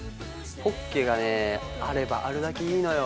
ポッケがねあればあるだけいいのよ